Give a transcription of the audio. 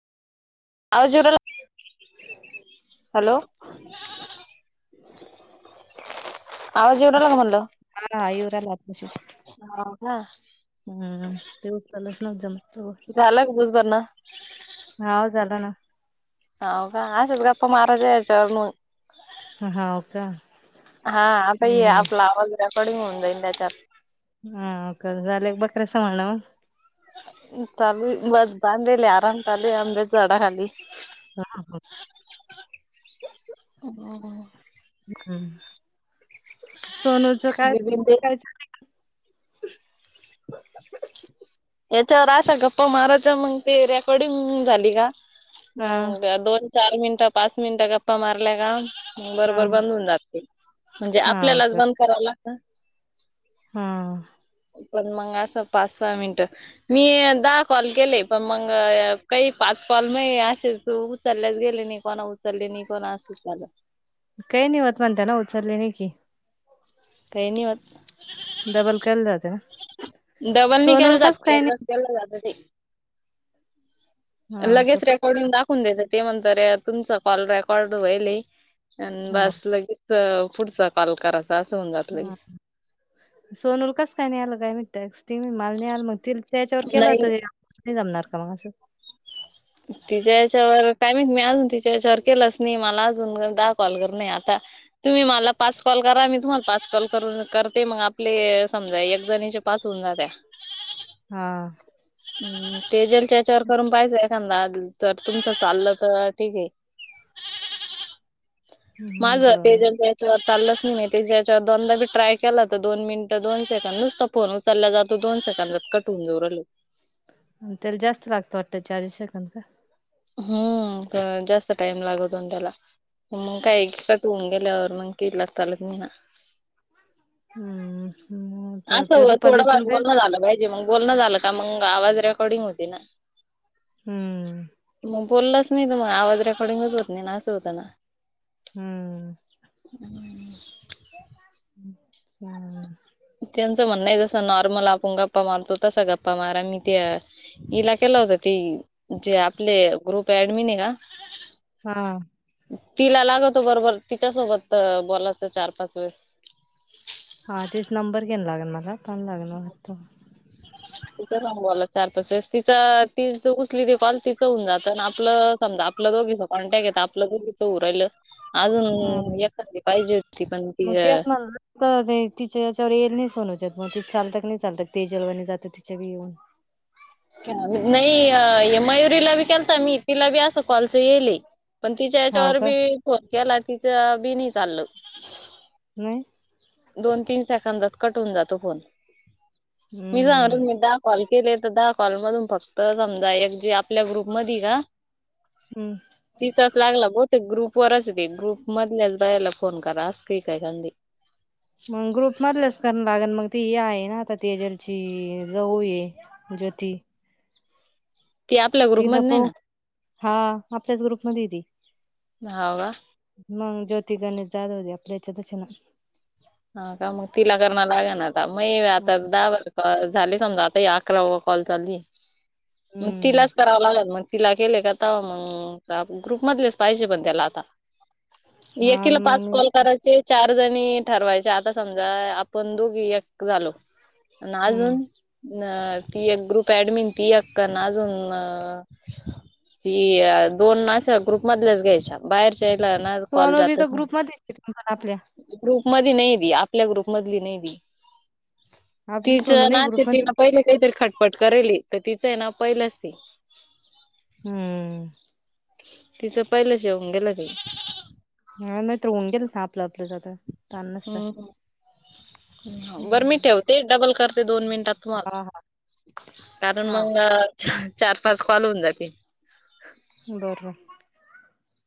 आवाज येवू राहीला हॅलो. [inaudible] आवाज येवू राहीला का म्हणलं? हा हा येऊ राहिला आताशी. हां हुं. हम्म. ते उतलचं नव्ह जमतो. झाला का वीज भरणा? हाव झाला ना. हाव का? अशाच गप्पा मारायच्या हेच्या वरन? ह हाव का? हा. आता हे हम्म. आपला आवाज, रेकॉर्डिंग होऊन जाईल त्याच्यात. हा कर झाले बकर्या संभाळन. चालू हे. मस बांदेल हे आराम चालू आहे, आंब्याच्या झाडा खाली. [unintelligible] हम्म हम्म, सोनूचं काय? बिबीन ते काय झा याच्यावर आशा गप्पा मारायच्या मंग ते रेकॉर्डिंग झाली का हा. मंग दोन चार मिनटं पाच मिनटं गप्पा मारल्या का मंग हा. बरबर बंद हुवून जात ते, म्हणजे हाव आपल्यालाच बंद कराव लाग हं. पण मंग असं पाच सहा मिनटं मी दहा कॉल केले पण् मंग कइ पाच कॉल मये असेच उ -चललेच गेले नी कोणं उचलले नी कोणं असचं झालं. कई नी होत म्हणता ना उचंलले नई की. कयनी होत. डबल केलं जाते ना. डबल नी सोनूला केलं कसं जात काय एकदाच नाही केलं जात ते. हाव का लगेच रेकॉर्डिंग दाखवून द्यायचं ते म्हणता अरे तुमचं कॉल रेकॉर्ड व्हयेले. आणं हाव बसं लगे क पुढचा काॅल कराचा असं हुऊन जात. हं. लगेच सोनूल कस काय नई आलं काय माईत टॅक्स ती म्हणे माल नी आलं म तील्तच्या येच्यावर केल होत नाही वे नई जमणार का मंग आसं? तिच्या याच्यावर काय माईत मी अजून तिच्या याच्यावर केलाच नी, मला अजून गन दहा कॉल करणंय आता. तुम्ही मला पाच कॉल करा मी तुम्हाला पाच कॉल करून करते मंग आपले समजा एक जणीचे पाच होवून जात्या. हा. हम् तेजलच्या येच्यावर करून पायचा एक समजा जर तुमचं चाललं त ठीके. हम्म, माझं बरं. तेजलचे चाललंच नी मी तीच्या याच्यावर दोनदा बी ट्राय केला त दोन मिनट, दोन सेकंदच तो फोन उचलला जातो, दोन सेकंदात कट हुवून जाऊ रालो. त्याल जास्त लागतो वाटतं, चाळीस सेंकंद गं. हुम्म, क जास्त टाइम लागतो न त्याला मंग काय कट हुन गेल्यावर मं कइ ईलाज चालत नी ना. हम्. [unintelligible] असं थोडाफार बोलणं झालं पायजे, मंग बोलणं झालं का मंग आवाज रेकॉर्डिंग होती ना. हम्म मंग बोललंच नई त म आवाज रेकॉडिंगच होत नई ना असं होतं ना. हम्म, अच्छा. त्यांचं म्हणणंय जसं नॉर्मल आपण गप्पा मारतो तसा गप्पा मारा मीं ते इला केलं होतं, ती जे आपले ग्रुप ऍडमीने ना हा. तिला लागतो बरोबर तिच्यासोबत बोलायचं चार, पाच वेळेस. हा तेच नंबर घ्यान लागन मला पण लागेल [unintelligible] [inaudible] तिच्या संग बोला चार पाच वेळेस तिचं तीच त उचली बी कॉल तिचं हुऊन जातं आण आपलं समजा आप आपलं दोघीच कॉन्टॅक्ट येतं आपलं दोघीचं हुऊ राईलं. हां अजून एकांदि पायजे होती ती पण ती त ते तिच्या याच्यावर येयेल नी सोनुच्यात म ति चालतं क नी चालतं तेजलवानी जातं तिच्या बी येऊन. क नई अ ये मयुरीला बी केल्ता मी तिला बी असं कॉलच येयले. पण तिच्या हाव याच्यावर का? बी फोन केला, तिचं बी नी चाललं. [unintelligible] दोन, तीन सेकंदात कट होउन जातो फोन, मी हम्म सांग कॉल केले तर, दहा कॉल मधून फक्त समजा एक जे आपल्या ग्रुप मध्ये आहे का. हम. तीचाच लागला बहुतेक ते ग्रुप वरच ते ग्रुप मधल्याच बाई ला फोन करा अस काही काय मग ग्रुप मधलंच कर लागेल मग ती आहे ना आता त्याच्यालची जाऊ ये. जोती. आपल्या ती ग्रुप मध्ये नाही [inaudible] हा आपल्याच ग्रुप मधे आहे ती. हो का. मग ज्योती गणेश जाधव हो दे आपल्या याच्या हा का, मग तिला करणार लागेल ना, आता मग आता दाव झाले समजा, आता ह अकरा व कॉल चाललय, मग हम्म तिलाच. कराव लागल मग तिला केले का, आता मग ग्रुप मधलेच पाहिजे पण त्याला आता. हा एकीला ना मग पाच मी कॉल करायचे. चार जणी ठरवायचे, आता समजा आपण दोघी एक झालो. आणि हम्म अजून. अ ती एक ग्रुप ऍडमिन ती एक्क ना अजून ति दोन अशा ग्रुप मधल्याच घ्यायच्या, बाहेरच्यायला ना कॉल जातच नाही. तिथण आपल्या. ग्रुप मध्ये नाही ती, आपल्या ग्रुप मधली नाही ती, आपली तिच सोनू नाही ना ती, ग्रुप मध्ये पहिले काहीतरी खटपट करेली तर तिचंय नाव पहिलं हम्म. तिचं पहिलं येऊन गेलंत की. हा नाही तर होऊन गेल ना आपलं, आपलं जात तान नसत. हम्म. बरं मी ठेवते, डबल करते दोन मिनटात तुम्हाला, हा हा कारण हा मंग चार, पाच कॉल होऊन जातील. बरं